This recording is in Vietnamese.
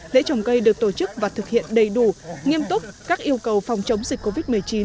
lễ trồng cây được tổ chức và thực hiện đầy đủ nghiêm túc các yêu cầu phòng chống dịch covid một mươi chín